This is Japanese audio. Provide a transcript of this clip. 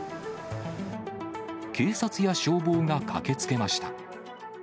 警察や消防が駆けつけました。